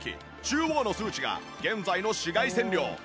中央の数値が現在の紫外線量